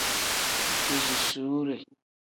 Duzusuure.